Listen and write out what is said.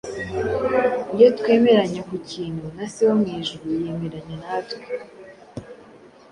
iyo twemeranya ku kintu na Se wo mu ijuru yemeranya natwe